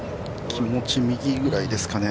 気持ち、右ぐらいですかね。